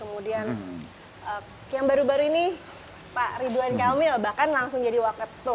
kemudian yang baru baru ini pak ridwan kamil bahkan langsung jadi waketu